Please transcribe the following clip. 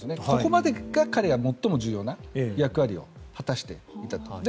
ここまでが彼が最も重要な役割を果たしていたと。